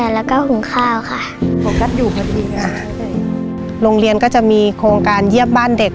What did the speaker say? โรงเรียนก็จะมีโครงการเยี่ยบบ้านเด็ก